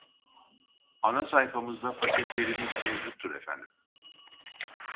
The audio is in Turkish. Anasayfamızda paketlerimiz mevcuttur efendim